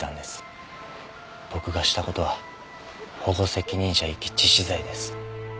僕がした事は保護責任者遺棄致死罪です。